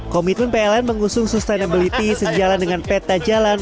komitmen pln mengusung sustainability sejalan dengan peta jalan